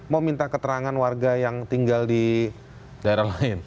mau minta keterangan warga yang tinggal di daerah lain